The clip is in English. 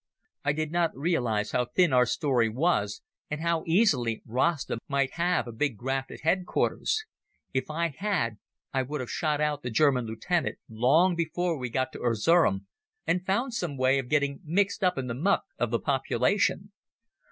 I did not realize how thin our story was, and how easily Rasta might have a big graft at headquarters. If I had, I would have shot out the German lieutenant long before we got to Erzerum, and found some way of getting mixed up in the ruck of the population.